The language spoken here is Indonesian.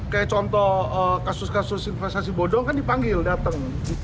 kayak contoh kasus kasus investasi bodong kan dipanggil datang